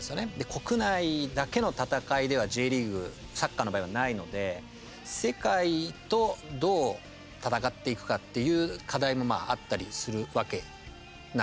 国内だけの戦いでは、Ｊリーグサッカーの場合はないので世界と、どう戦っていくかっていう課題もあったりするわけなんですよね。